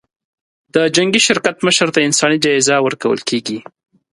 د جنګي شرکت مشر ته انساني جایزه ورکول کېږي.